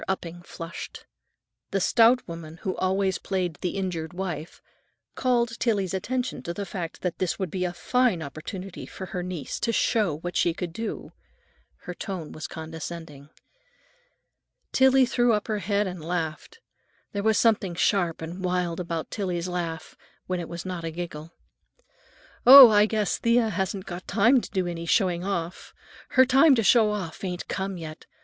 Upping flushed. The stout woman who always played the injured wife called Tillie's attention to the fact that this would be a fine opportunity for her niece to show what she could do. Her tone was condescending. Tillie threw up her head and laughed; there was something sharp and wild about Tillie's laugh—when it was not a giggle. "Oh, I guess Thea hasn't got time to do any showing off. Her time to show off ain't come yet.